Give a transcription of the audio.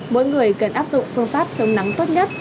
mỗi người cần áp dụng phương pháp chống nắng tốt nhất